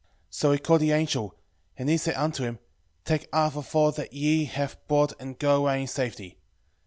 12:5 So he called the angel, and he said unto him, Take half of all that ye have brought and go away in safety.